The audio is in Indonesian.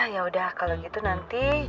ya udah kalau gitu nanti